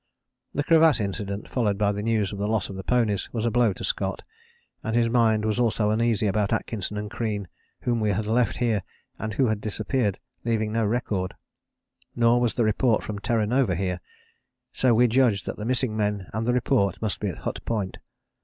This crevasse incident, followed by the news of the loss of the ponies, was a blow to Scott, and his mind was also uneasy about Atkinson and Crean, whom we had left here, and who had disappeared leaving no record. Nor was the report from the Terra Nova here, so we judged that the missing men and the report must be at Hut Point.